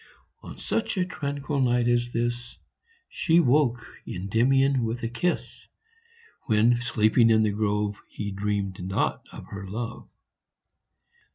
On such a tranquil night as this, io She woke Kndymion with a kis^, When, sleeping in tin grove, He dreamed not of her love.